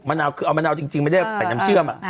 เอ้าเพราะมะนาวจริงไม่ได้ใส่น้ำเชื่อม